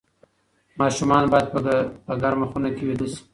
ماشومان باید په ګرمه خونه کې ویده شي.